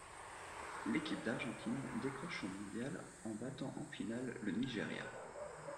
L'équipe d'Argentine décroche son mondial en battant en finale le Nigéria.